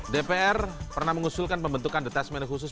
dpr pernah mengusulkan pembentukan detesmen khusus